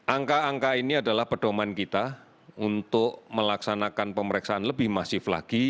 angka angka ini adalah pedoman kita untuk melaksanakan pemeriksaan lebih masif lagi